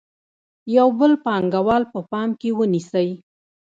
یو بل پانګوال په پام کې ونیسئ